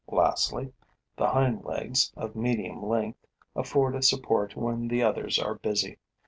Lastly, the hind legs, of medium length, afford a support when the others are busy.